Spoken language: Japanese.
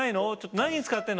何に使ってんの？